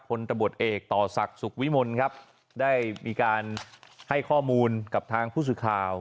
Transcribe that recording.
ตำรวจเอกต่อศักดิ์สุขวิมลครับได้มีการให้ข้อมูลกับทางผู้สื่อข่าว